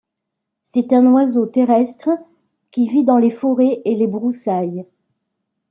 C'est un oiseau terrestre qui vit dans les forêts et les broussailles.